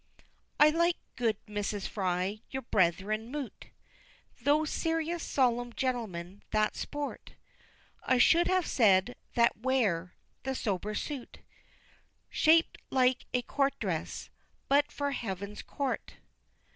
II. I like, good Mrs. Fry, your brethren mute Those serious, solemn gentlemen that sport I should have said, that wear, the sober suit Shap'd like a court dress but for heaven's court.